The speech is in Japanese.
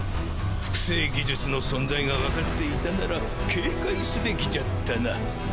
複製技術の存在がわかっていたなら警戒すべきじゃったな。